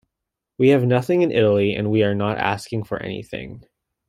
"We have nothing in Italy and we are not asking for anything".